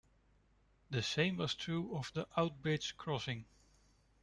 The same was true of the Outerbridge Crossing.